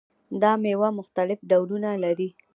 دا میوه مختلف ډولونه لري.